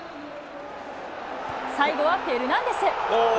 最後はフェルナンデス。